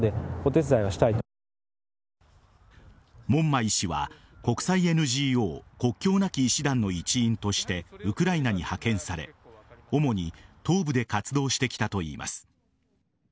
門馬医師は国際ＮＧＯ国境なき医師団の一員としてウクライナに派遣され主に東部で活動してきたといいます。